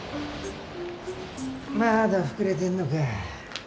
まだ膨れてんのか？